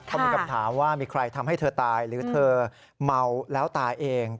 เขามีคำถามว่ามีใครทำให้เธอตายหรือเธอเมาแล้วตายเอง